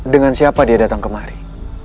dengan siapa dia datang kemari